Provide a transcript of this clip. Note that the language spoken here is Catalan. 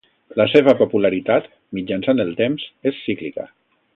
La seva popularitat, mitjançant el temps, és cíclica.